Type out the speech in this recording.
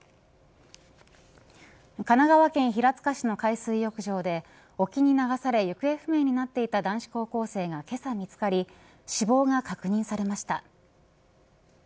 神奈川県平塚市の海水浴場で沖に流され行方不明になっていた男子高校生が、けさ見つかり死亡が確認されました。